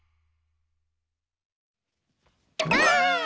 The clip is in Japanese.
ばあっ！